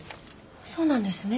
そうなんですね。